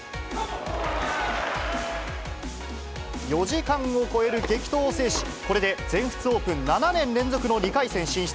４時間を超える激闘を制し、これで全仏オープン７年連続の２回戦進出。